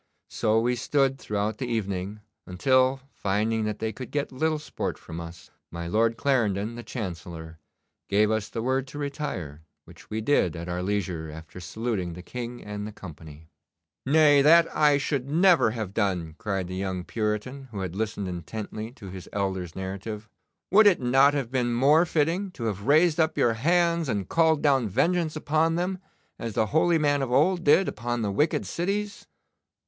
So we stood throughout the evening, until, finding that they could get little sport from us, my Lord Clarendon, the Chancellor, gave us the word to retire, which we did at our leisure after saluting the King and the company.' 'Nay, that I should never have done!' cried the young Puritan, who had listened intently to his elder's narrative. 'Would it not have been more fitting to have raised up your hands and called down vengeance upon them, as the holy man of old did upon the wicked cities?